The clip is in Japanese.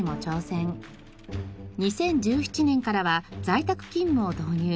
２０１７年からは在宅勤務を導入。